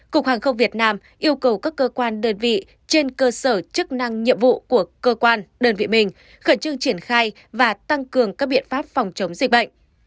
cục hàng không việt nam yêu cầu các cơ quan đơn vị trên cơ sở chức năng nhiệm vụ của cơ quan đơn vị mình khẩn trương triển khai và tăng cường các biện pháp phòng chống dịch bệnh